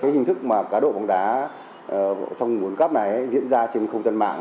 hình thức cá độ bóng đá trong nguồn cấp này diễn ra trên không gian mạng